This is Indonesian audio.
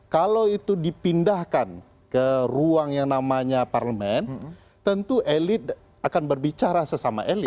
kalau itu dipindahkan ke ruang yang namanya parlemen tentu elit akan berbicara sesama elit